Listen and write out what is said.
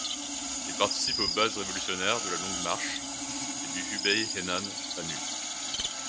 Il participe aux bases révolutionnaires de la Longue Marche et du Hubei-Henan-Anhui.